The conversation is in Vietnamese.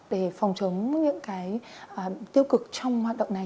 để phòng chống những cái tiêu cực trong hoạt động này